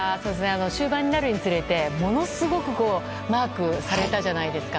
終盤になるにつれてものすごくマークされたじゃないですか。